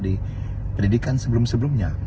di pendidikan sebelum sebelumnya